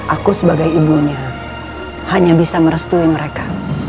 aku sebagai ibunya hanya bisa merestui mereka